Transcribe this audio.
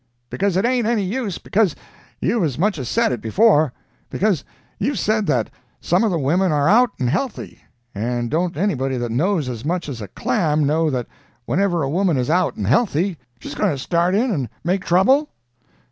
"Because it ain't any use because you've as much as said it before—because you've said that some of the women are out and healthy; and don't anybody that knows as much as a clam know that whenever a woman is out and healthy, she's going to start in and make trouble?"